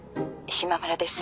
島村です。